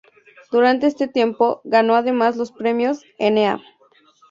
Durante este tiempo, ganó además los premios "Na.